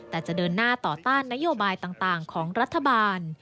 แต่จะเดินหน้าต่อต้านนโยบายต่างของรัฐบาล